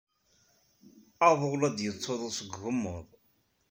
Aḍu la d-yettsuḍu seg wegmuḍ.